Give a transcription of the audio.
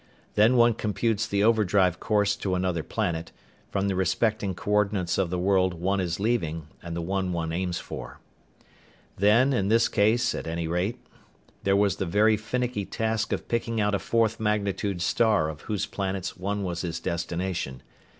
Then one computes the overdrive course to another planet, from the respecting coordinates of the world one is leaving and the one one aims for. Then, in this case at any rate, there was the very finicky task of picking out a fourth magnitude star of whose planets one was his destination.